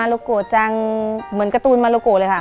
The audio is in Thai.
มรกจังเหมือนการ์ตูนมรกเลยค่ะ